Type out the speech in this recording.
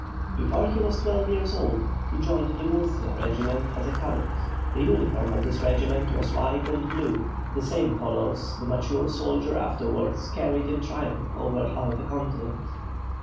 Before he was twelve years old, he joined the "Murcia" regiment as a cadet. The uniform of this regiment was white and blue, the same colours the mature soldier afterwards carried in triumph over half a continent.